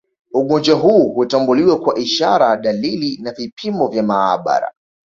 Ugonjwa huu hutambuliwa kwa ishara dalili na vipimo vya maabara